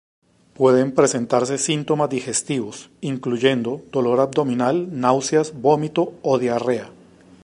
Pueden presentarse síntomas digestivos, incluyendo dolor abdominal, náuseas, vómito o diarrea.